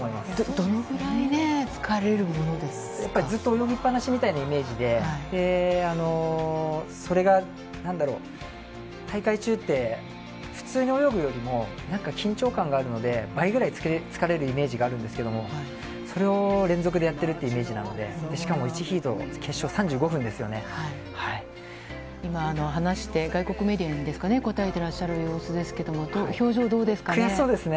どのぐらいね、疲れるものでずっと泳ぎっぱなしみたいなイメージで、それが、大会中って、普通に泳ぐよりもなんか緊張感があるので、倍ぐらい疲れるイメージがあるんですけれども、それを連続でやってるというイメージなので、しかも１ヒート、決勝、３５分で今、話して、外国メディアにですかね、答えてらっしゃる様子ですけれども、表情、どうですかね。